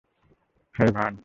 হেই, Verne.